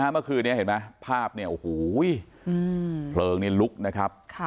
เมื่อคืนนี้เห็นไหมภาพเนี่ยโอ้โหเพลิงนี่ลุกนะครับ